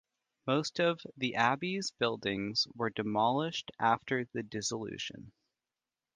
Most of the abbey's buildings were demolished after the dissolution.